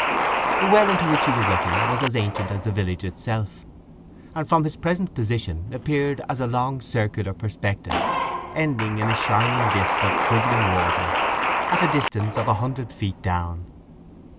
The well into which he was looking was as ancient as the village itself, and from his present position appeared as a long circular perspective ending in a shining disk of quivering water at a distance of a hundred feet down.